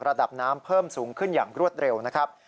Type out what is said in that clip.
ระดับน้ำเพิ่มสูงขึ้นอย่างรวดเร็วนะครับ